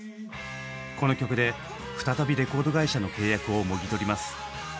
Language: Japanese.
この曲で再びレコード会社の契約をもぎ取ります。